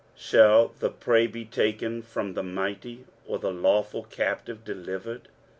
23:049:024 Shall the prey be taken from the mighty, or the lawful captive delivered?